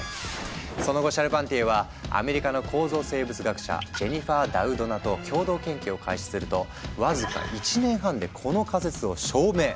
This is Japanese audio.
その後シャルパンティエはアメリカの構造生物学者ジェニファー・ダウドナと共同研究を開始するとわずか１年半でこの仮説を証明。